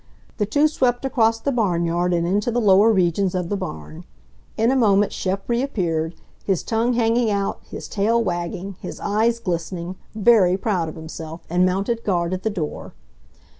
The two swept across the barnyard and into the lower regions of the barn. In a moment Shep reappeared, his tongue hanging out, his tail wagging, his eyes glistening, very proud of himself, and mounted guard at the door.